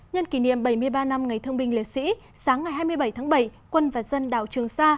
nhân kỷ niệm bảy mươi ba năm ngày thương binh liệt sĩ sáng ngày hai mươi bảy tháng bảy quân và dân đảo trường sa